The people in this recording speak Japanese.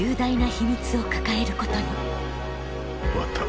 終わった。